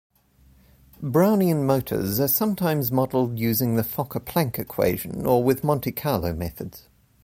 Brownian motors are sometimes modeled using the Fokker-Planck equation or with Monte Carlo methods.